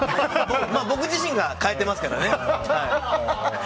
僕自身が変えてますからね。